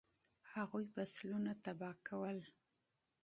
هغوی فصلونه تباه کول.